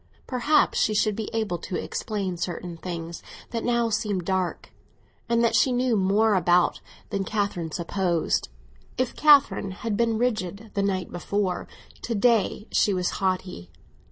Perhaps she should be able to explain certain things that now seemed dark, and that she knew more about than Catherine supposed. If Catherine had been frigid the night before, to day she was haughty.